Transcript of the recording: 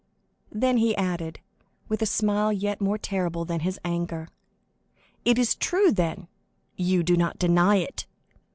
Then he added, with a smile yet more terrible than his anger, "It is true, then; you do not deny it!"